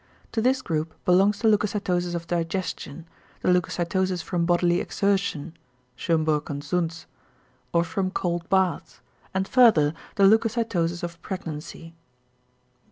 To this group belongs the leucocytosis of digestion, the leucocytosis from bodily exertion (Schumburg and Zuntz) or from cold baths, and further the leucocytosis of pregnancy.